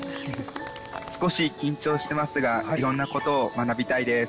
少し緊張してますがいろんなことを学びたいです。